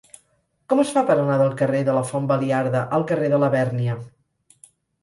Com es fa per anar del carrer de la Font Baliarda al carrer de Labèrnia?